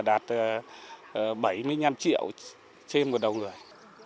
là đạt bảy mươi năm triệu trên một đồng người